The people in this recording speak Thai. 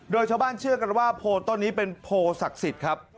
โดยชาวบ้านเชื่อกันว่าโพส์ต้นนี้เป็นโพสักศิษย์ครับ